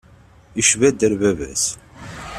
Yecba-d ar bab-as.